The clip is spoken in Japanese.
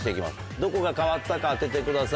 どこが変わったか当ててください。